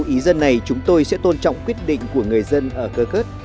bố ý dân này chúng tôi sẽ tôn trọng quyết định của người dân ở cơ khớt